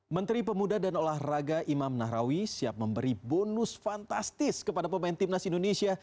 menteri pemuda dan olahraga imam nahrawi siap memberi bonus fantastis kepada pemain timnas indonesia